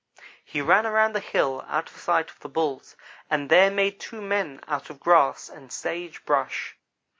"He ran around the hill out of sight of the Bulls, and there made two men out of grass and sage brush.